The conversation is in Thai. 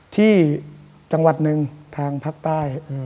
ที่จังหวัดหนึ่งทางภาคใต้